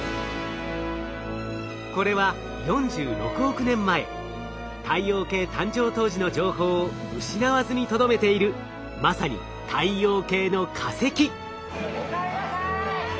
これは４６億年前太陽系誕生当時の情報を失わずにとどめているまさにおかえりなさい！